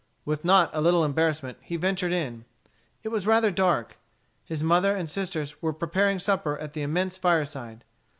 With not a little embarrassment, he ventured in. It was rather dark. His mother and sisters were preparing supper at the immense fireside.